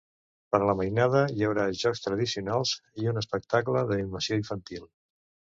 Per a la mainada hi haurà jocs tradicionals i un espectacle d’animació infantil.